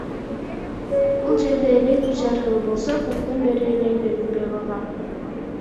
Бул жерде электр жарыгы болсо көптөн бери эле берилбей калган.